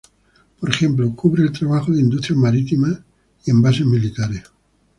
Por ejemplo, cubre el trabajo en industrias marítimas y en bases militares.